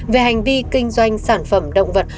về hành vi kinh doanh sản phẩm động vật